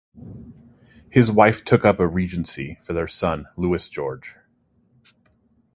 His wife took up a regency for their son, Louis George.